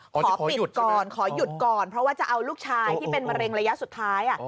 ขอปิดก่อนขอหยุดก่อนเพราะว่าจะเอาลูกชายที่เป็นมะเร็งระยะสุดท้าย